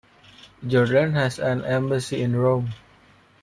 Jordan has an embassy in Rome.